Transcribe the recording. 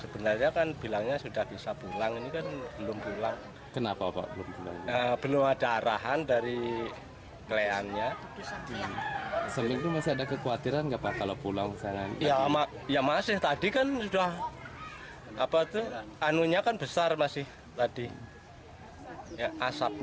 pertanyaan terakhir dari pemerintah tempat pengungsian upt pertanian rendang